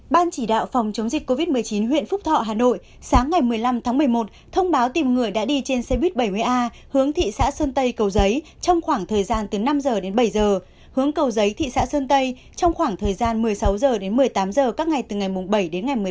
ban chỉ đạo phòng chống dịch covid một mươi chín huyện phúc thọ hà nội sáng ngày một mươi năm tháng một mươi một thông báo tìm người đã đi trên xe buýt bảy mươi a hướng thị xã sơn tây cầu giấy trong khoảng thời gian từ năm h đến bảy giờ hướng cầu giấy thị xã sơn tây trong khoảng thời gian một mươi sáu h đến một mươi tám h các ngày từ ngày bảy đến ngày một mươi ba